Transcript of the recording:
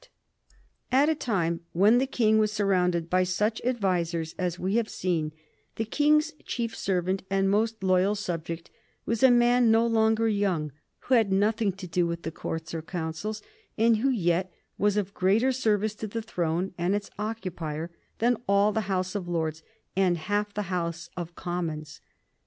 [Sidenote: 1763 Dr. Samuel Johnson] At a time when the King was surrounded by such advisers as we have seen, the King's chief servant and most loyal subject was a man no longer young, who had nothing to do with the courts or councils, and who yet was of greater service to the throne and its occupier than all the House of Lords and half the House of Commons.